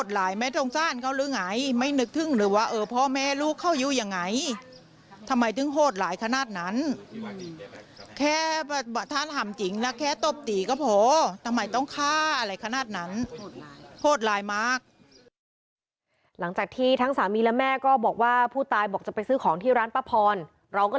หลังจากที่ทั้งสามีและแม่ก็บอกว่าผู้ตายบอกจะไปซื้อของที่ร้านป้าพรเราก็